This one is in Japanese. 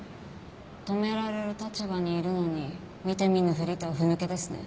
止められる立場にいるのに見て見ぬふりとはふ抜けですね。